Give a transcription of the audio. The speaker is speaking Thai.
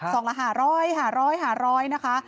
ซองละ๕๐๐นะคะ